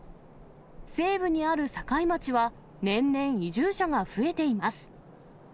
西部にある境町は、年々、移住者が増えています。